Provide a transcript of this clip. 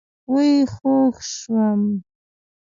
وئ خوږ شوم